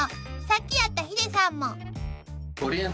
［さっき会ったヒデさんも］